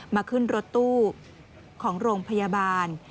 มาขึ้นรถตู้ของโรงพยาบาล